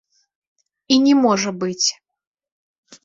І не можа быць.